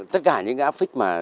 tất cả những gã phích mà